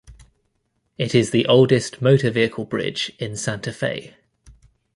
It is the oldest motor vehicle bridge in Santa Fe.